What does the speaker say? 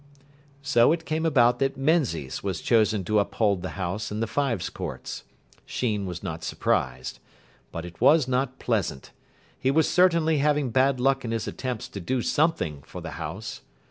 So it came about that Menzies was chosen to uphold the house in the Fives Courts. Sheen was not surprised. But it was not pleasant. He was certainly having bad luck in his attempts to do something for the house.